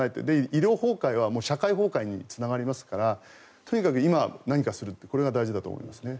医療崩壊は社会崩壊につながりますからとにかく今、何かするこれが大事だと思いますね。